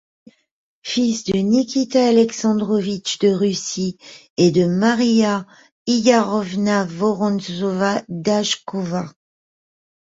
Fils de Nikita Alexandrovitch de Russie et de Maria Illariovna Vorontzova-Daschkova.